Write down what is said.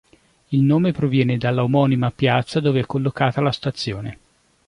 Il nome proviene dalla omonima piazza dove è collocata la stazione.